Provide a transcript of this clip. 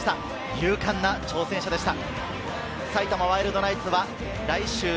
勇敢な挑戦者でした。